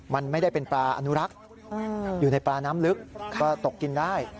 มันไม่ได้เป็นปลาอนุรักษ์อยู่ในปลาน้ำลึกก็ตกกินได้